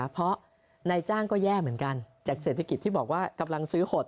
เพราะนายจ้างก็แย่เหมือนกันจากเศรษฐกิจที่บอกว่ากำลังซื้อหด